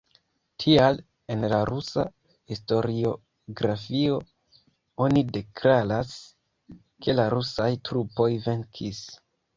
Tial en la rusa historiografio oni deklaras, ke la rusaj trupoj "venkis".